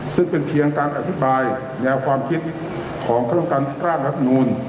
ซึ่งเป็นเพียงการอธิบายแนวความคิดของเครื่องการกระทั่งรับหนุน